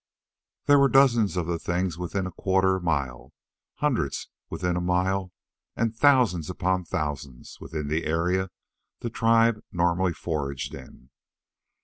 There were dozens of the things within a quarter mile, hundreds within a mile, and thousands upon thousands within the area the tribe normally foraged in.